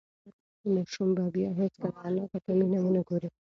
ماشوم به بیا هیڅکله انا ته په مینه ونه گوري.